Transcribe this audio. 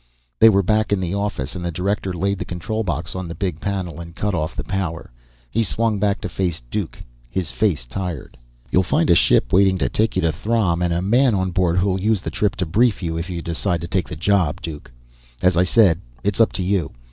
They were back in the office, and the director laid the control box on the big panel and cut off the power. He swung back to face Duke, his face tired. "You'll find a ship waiting to take you to Throm, and a man on board who'll use the trip to brief you, if you decide to take the job, Duke. As I said, it's up to you.